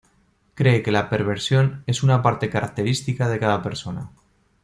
Cree que la perversión es una parte característica de cada persona.